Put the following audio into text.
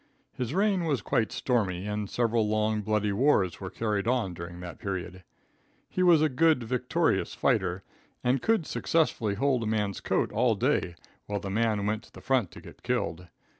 His reign was quite stormy and several long, bloody wars were carried on during that period. He was a good vicarious fighter and could successfully hold a man's coat all day, while the man went to the front to get killed.